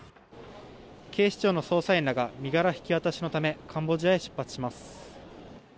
警視庁の捜査員らが身柄引き渡しのためカンボジアへ出発します。